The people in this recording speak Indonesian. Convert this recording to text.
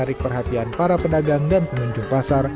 menarik perhatian para pedagang dan pengunjung pasar